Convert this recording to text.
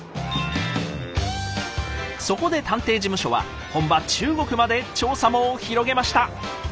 そこで探偵事務所は本場中国まで調査網を広げました！